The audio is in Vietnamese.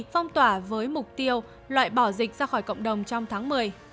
phong tỏa với mục tiêu loại bỏ dịch ra khỏi cộng đồng trong tháng một mươi